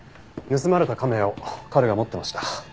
盗まれた亀を彼が持ってました。